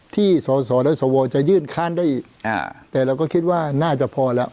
ที่สอสอและสวจะยื่นค้านได้แต่เราก็คิดว่าน่าจะพอแล้ว